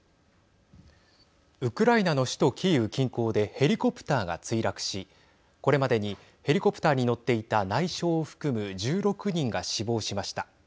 ウクライナの首都キーウ近郊でヘリコプターが墜落しこれまでにヘリコプターに乗っていた内相を含む１６人が死亡しました。